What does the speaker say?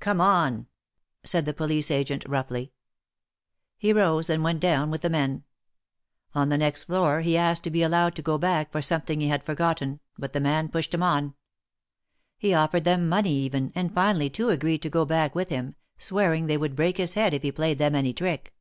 Come on !" said the police agent, roughly. He rose and went down with the men. On the next floor he asked to be allowed to go back for something he had forgotten, but the man pushed him on. He offered them money even, and finally two agreed to go back with him, swearing they would break his head if he played them any trick.